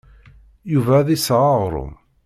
Yuba ad d-iseɣ aɣrum.